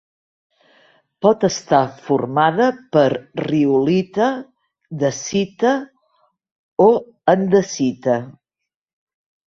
Pot estar formada per riolita, dacita o andesita.